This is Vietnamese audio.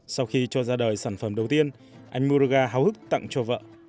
sau khi cho ra đời sản phẩm đầu tiên anh muruganatham háo hức tặng cho vợ